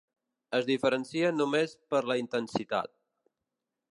Es diferencien només per la intensitat.